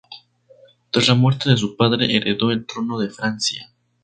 Tras la muerte de su padre heredó el trono de Francia.